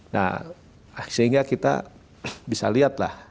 nah sehingga kita bisa lihatlah